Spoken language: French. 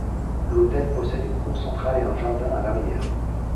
L'hôtel possède une cour centrale et un jardin à l'arrière.